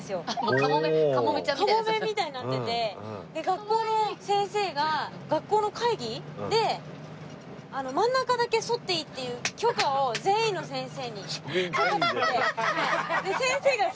カモメみたいになってて学校の先生が学校の会議で真ん中だけ剃っていいっていう許可を全員の先生に。